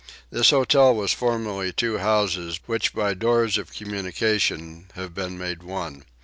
This hotel was formerly two houses which by doors of communication have been made one.